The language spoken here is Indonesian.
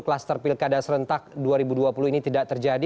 kluster pilkada serentak dua ribu dua puluh ini tidak terjadi